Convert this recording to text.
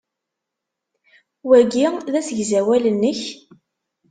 Wagi d asegzawal-nnek?